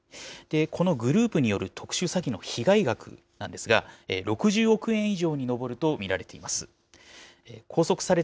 このグループによる特殊詐欺の被害額なんですが、６０億円以上に上ると見られています。